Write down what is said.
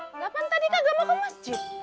kenapa tadi kagak mau ke masjid